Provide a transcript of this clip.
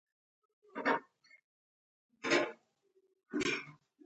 بل ډول خوشالي او هیجان مې پر زړه خپور و.